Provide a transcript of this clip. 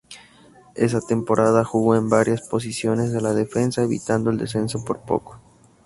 Esa temporada jugó en varias posiciones de la defensa, evitando el descenso por poco.